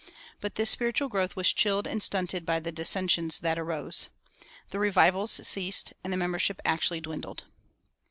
But this spiritual growth was chilled and stunted by the dissensions that arose. The revivals ceased and the membership actually dwindled.